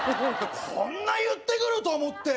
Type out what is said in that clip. こんな言ってくる！と思って。